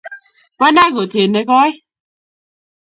bonee kote nekoii